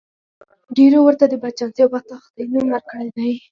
ډېرو ورته د بدچانسۍ او بدبختۍ نوم ورکړی دی